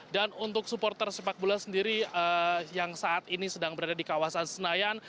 untuk supporter sepak bola sendiri yang saat ini sedang berada di kawasan senayan